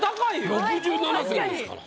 ６７点ですから。